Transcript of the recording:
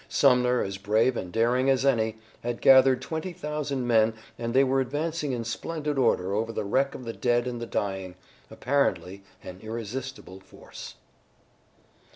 Sumner, as brave and daring as any, had gathered twenty thousand men, and they were advancing in splendid order over the wreck of the dead and the dying, apparently an irresistible force.